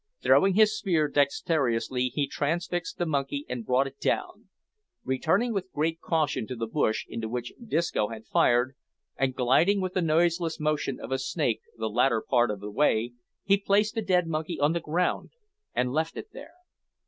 Throwing his spear dexterously he transfixed the monkey and brought it down. Returning with great caution to the bush into which Disco had fired, and gliding with the noiseless motion of a snake the latter part of the way, he placed the dead monkey on the ground and left it there.